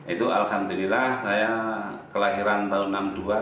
itu alhamdulillah saya kelahiran tahun enam puluh dua